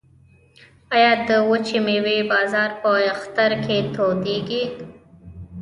آیا د وچې میوې بازار په اختر کې تودیږي؟